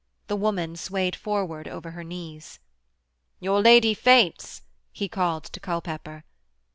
The woman swayed forward over her knees. 'Your lady faints,' he called to Culpepper.